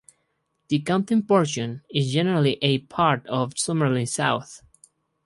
The county portion is generally a part of Summerlin South.